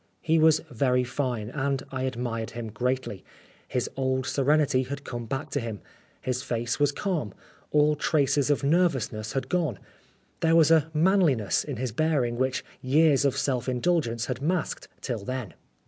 He was very fine, and I admired him greatly. His old serenity had come back to him. His face was calm ; all traces of nervousness had gone ; there was a manliness in his 185 Oscar Wilde bearing which years of self indulgence had masked till then.